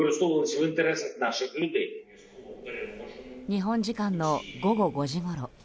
日本時間の午後５時ごろ。